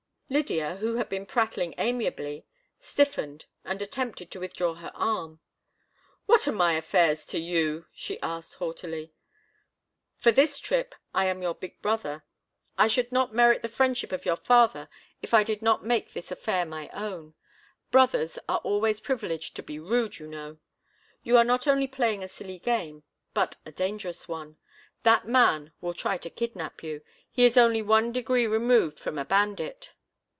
Lydia, who had been prattling amiably, stiffened and attempted to withdraw her arm. "What are my affairs to you?" she asked, haughtily. "For this trip I am your big brother. I should not merit the friendship of your father if I did not make this affair my own. Brothers are always privileged to be rude, you know: you are not only playing a silly game, but a dangerous one. That man will try to kidnap you—he is only one degree removed from a bandit."